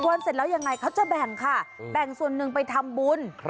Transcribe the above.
เสร็จแล้วยังไงเขาจะแบ่งค่ะแบ่งส่วนหนึ่งไปทำบุญ